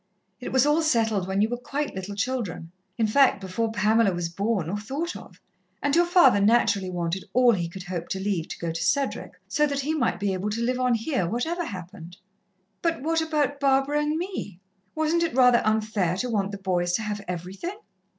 It was all settled when you were quite little children in fact, before Pamela was born or thought of and your father naturally wanted all he could hope to leave to go to Cedric, so that he might be able to live on here, whatever happened." "But what about Barbara and me? Wasn't it rather unfair to want the boys to have everything?"